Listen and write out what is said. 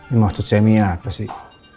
ini maksud zemia apa sih